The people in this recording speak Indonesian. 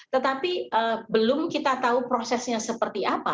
tetapi belum kita tahu prosesnya seperti apa